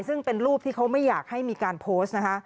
ซึ่งเป็นรูปที่เขาไม่อยากให้มีการโพสต์นะคะ